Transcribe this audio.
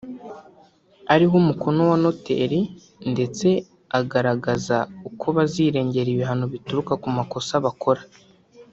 ariho umukono wa Noteri ndetse agaragaza uko bazirengera ibihano bituruka ku makosa bakora